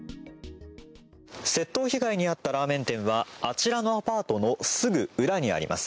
窃盗被害に遭ったラーメン店はあちらのアパートのすぐ裏にあります。